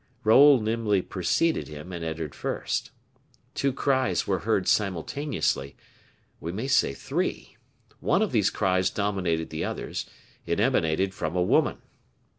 Raoul nimbly preceded him, and entered first. Two cries were heard simultaneously we may say three. One of these cries dominated the others; it emanated from a woman.